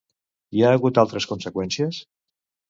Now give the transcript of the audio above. Hi ha hagut altres conseqüències?